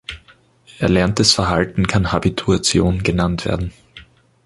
Erlerntes Verhalten kann Habituation genannt werden.